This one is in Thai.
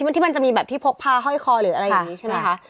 ที่มันจะมีแบบที่พกพาห้อยคอหรืออะไรอย่างนี้ใช่ไหมคะ